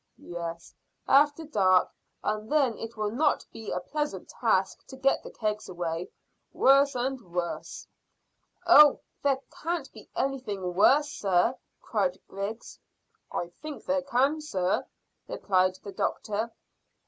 "Yes, after dark; and then it will not be a pleasant task to get the kegs away. Worse and worse." "Oh, there can't be anything worse, sir," cried Griggs. "I think there can, sir," replied the doctor.